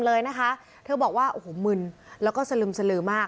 เลยนะคะเธอบอกว่าโอ้โหมึนแล้วก็สลึมสลือมาก